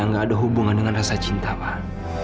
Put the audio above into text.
nggak ada hubungan dengan rasa cinta pak